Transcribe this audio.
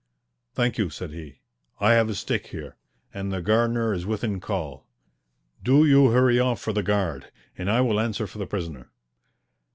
"Thank you," said he. "I have a stick here, and the gardener is within call. Do you hurry off for the guard, and I will answer for the prisoner."